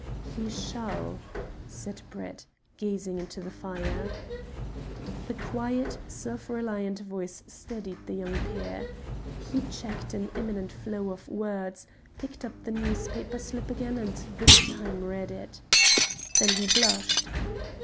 "He shall," said Brett, gazing into the fire. The quiet, self reliant voice steadied the young peer. He checked an imminent flow of words, picked up the newspaper slip again, and this time read it. Then he blushed.